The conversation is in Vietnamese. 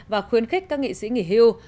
và khuyến khích các nghị sĩ nghỉ hưu